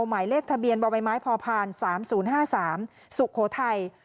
หมายเลขทะเบียนบะวัยไม้พอภาพสามศูนย์ห้าสามสุโขทัย